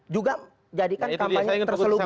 juga jadikan kampanye terselubung